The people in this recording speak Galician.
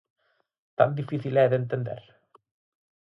¿Tan difícil é de entender?